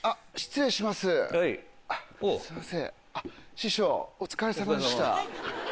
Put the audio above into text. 師匠お疲れさまでした。